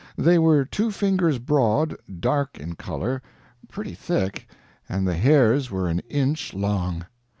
They were two fingers broad, dark in color, pretty thick, and the hairs were an inch long.